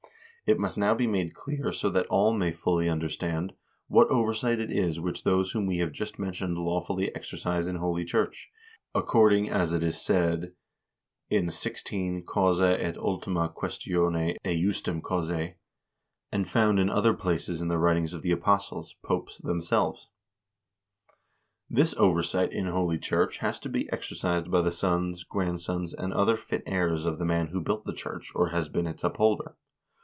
It must now be made clear so that all may fully understand, what oversight it is which those whom we have just mentioned lawfully exercise in holy church, according as it is said in xvi. causa et ultima questione ejusdem cause, and found in other places in the writings of the apostles (popes) themselves; 'This oversight in holy church has to be exercised by the sons, grandsons, and other fit heirs of the man who built the church or has been its upholder.